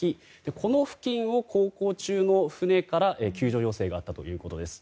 この付近を航行中の船から救助要請があったということです。